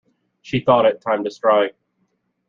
She thought it time to strike.